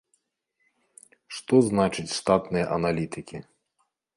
Што значыць штатныя аналітыкі?